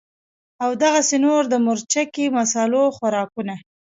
او دغسې نور د مرچکي مصالو خوراکونه